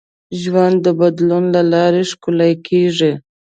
ژوند د بدلون له لارې ښکلی کېږي.